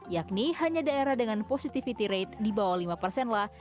yakni hanya daerah dengan positivity rate di bawah lima persenlah